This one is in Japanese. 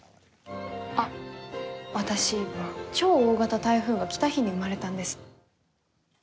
あっ、私超大型台風が来た日に生まれたんです。